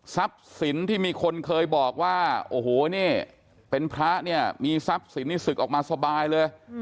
ทรัพย์สินที่มีคนเคยบอกว่าโอ้โหเป็นพระมีทรัพย์สินสึกออกมาสบายเลย